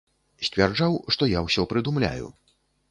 Сцвярджаў, што я ўсё прыдумляю.